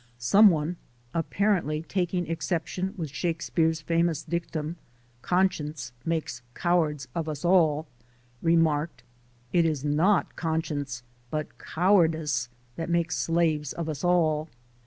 Some one, apparently taking excep tion with Shakespeare's famous dictum, "Conscience makes cowards of us all," remarked, "It is not conscience, but cowardice that makes slaves of us all."